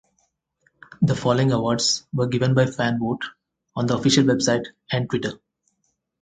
The following awards were given by fan vote on the official website and Twitter.